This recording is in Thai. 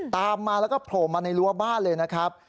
ตามมาแล้วก็โผล่มาในรั้วบ้านเลยนะครับ